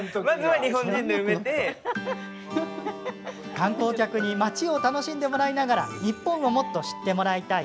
観光客に町を楽しんでもらいながら日本をもっと知ってもらいたい。